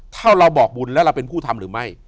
ถ้าเราบอกบุญแล้วเราเป็นผู้ทำหรือไม่